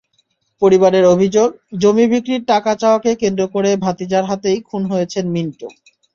পরিবারের অভিযোগ, জমি বিক্রির টাকা চাওয়াকে কেন্দ্র করে ভাতিজার হাতেই খুন হয়েছেন মিন্টু।